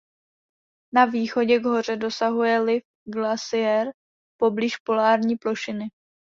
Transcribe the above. Na východě k hoře dosahuje Liv Glacier poblíž polární plošiny.